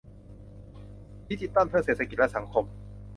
ดิจิทัลเพื่อเศรษฐกิจและสังคม